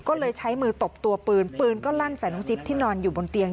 ก็เลยใช้มือตบตัวปืนปืนก็ลั่นใส่น้องจิ๊บที่นอนอยู่บนเตียง